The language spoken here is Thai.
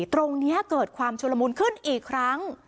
ตรงนี้เกิดความชุลมุนขึ้นอีกครั้ง